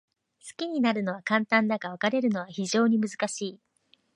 好きになるのは簡単だが、別れるのは非常に難しい。